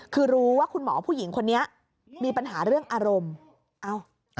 คือรู้ว่าคุณหมอผู้หญิงคนนี้มีปัญหาเรื่องอารมณ์เอ้า